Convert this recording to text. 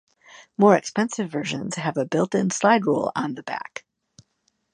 More expensive versions have a built-in slide rule on the back.